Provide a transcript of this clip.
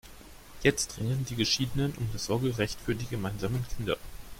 Jetzt ringen die Geschiedenen um das Sorgerecht für die gemeinsamen Kinder.